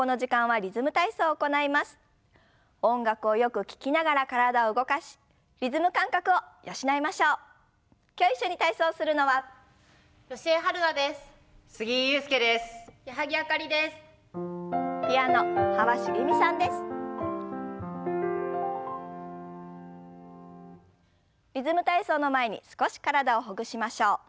「リズム体操」の前に少し体をほぐしましょう。